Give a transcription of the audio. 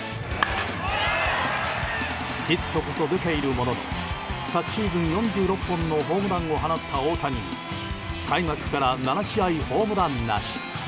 ヒットこそ出ているものの昨シーズン４６本のホームランを放った大谷に開幕から７試合ホームランなし。